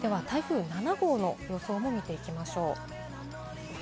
では台風７号の予想も見ていきましょう。